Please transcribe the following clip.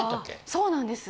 そうなんです。